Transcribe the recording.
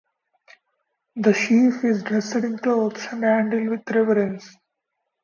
The sheaf is dressed in clothes and handled with reverence.